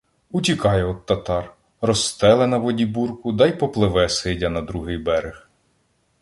Утікає од татар, розстеле на воді бурку да й попливе, сидя, на другий берег.